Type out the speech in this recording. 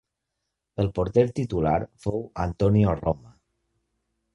El porter titular fou Antonio Roma.